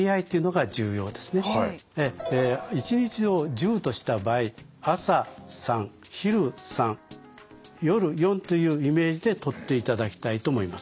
一日を１０とした場合朝３昼３夜４というイメージでとっていただきたいと思います。